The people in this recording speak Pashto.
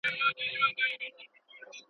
نن به توره د خوشحال راوړي رنګونه.